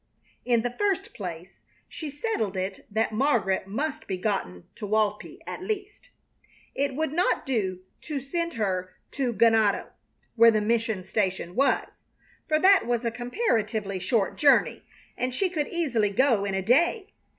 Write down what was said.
In the first place, she settled it that Margaret must be gotten to Walpi at least. It would not do to send her to Ganado, where the mission station was, for that was a comparatively short journey, and she could easily go in a day.